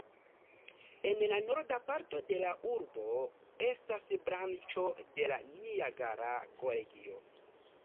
En la norda parto de la urbo estas branĉo de la Niagara Kolegio.